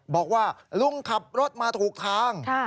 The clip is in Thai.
บอกว่าลุงขับรถมาถูกทาง